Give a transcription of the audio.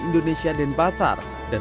indonesia denpasar dan